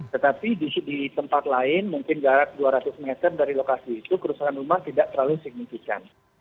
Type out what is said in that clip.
tetapi di tempat lain mungkin jarak dua ratus meter dari lokasi itu kerusakan rumah tidak terlalu signifikan